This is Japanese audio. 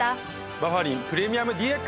バファリンプレミアムＤＸ！